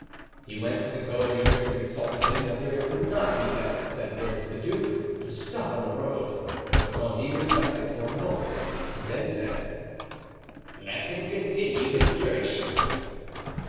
He went to the coadjutor to consult with him whether it would not be better to send word to the duke to stop on the road, but Gondy reflected for a moment, and then said: "Let him continue his journey."